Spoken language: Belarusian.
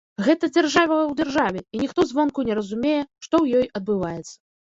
Гэта дзяржава ў дзяржаве, і ніхто звонку не разумее, што ў ёй адбываецца.